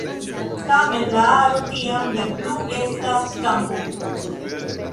Tamen, la aro tiam ne plu estas kampo.